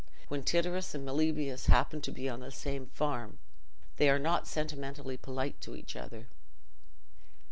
When Tityrus and Meliboeus happen to be on the same farm, they are not sentimentally polite to each other.